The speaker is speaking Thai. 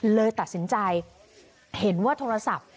เลยตัดสินใจเห็นว่าโทรศัพท์